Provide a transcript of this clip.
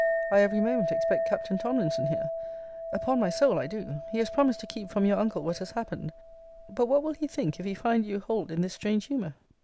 I every moment expect Captain Tomlinson here. Upon my soul, I do. He has promised to keep from your uncle what has happened: but what will he think if he find you hold in this strange humour?